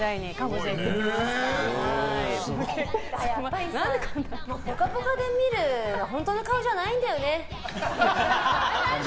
小室さん「ぽかぽか」で見るのは本当の顔じゃないんだよね。